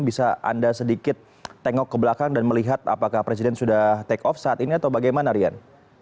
bisa anda sedikit tengok ke belakang dan melihat apakah presiden sudah take off saat ini atau bagaimana rian